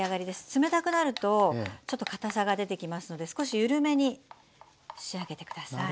冷たくなるとちょっとかたさが出てきますので少し緩めに仕上げてください。